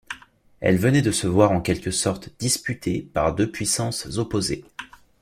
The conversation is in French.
Elle venait de se voir en quelque sorte disputée par deux puissances opposées.